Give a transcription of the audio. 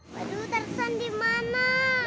waduh tarzan dimana